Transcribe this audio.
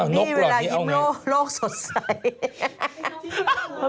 นี่เวลายิ้มโลกโลกสดใส